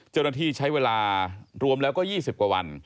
เจ้าหน้าที่ใช้เวลารวมแล้วก็๒๐กว่าวัน